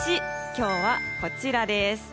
今日はこちらです。